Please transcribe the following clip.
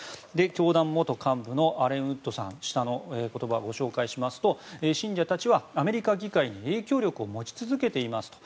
教団元幹部のアレン・ウッドさん下の言葉ご紹介しますと信者たちはアメリカ議会に影響力を持ち続けていますと。